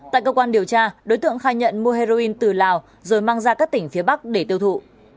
tại cơ quan điều tra đối tượng khai nhận mua heroin từ lào rồi mang ra các tỉnh phía bắc để tiêu thụ